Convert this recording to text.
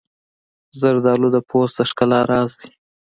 زردالو د پوست د ښکلا راز دی.